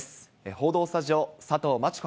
報道スタジオ、佐藤真知子